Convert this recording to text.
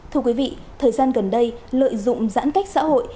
thưa quý vị thời gian gần đây lợi dụng giãn cách xã hội